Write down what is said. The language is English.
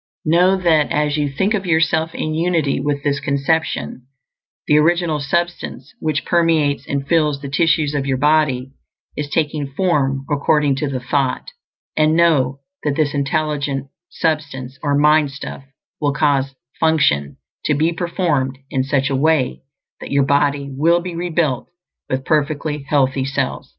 KNOW that as you think of yourself in unity with this conception, the Original Substance which permeates and fills the tissues of your body is taking form according to the thought; and know that this Intelligent Substance or mind stuff will cause function to be performed in such a way that your body will be rebuilt with perfectly healthy cells.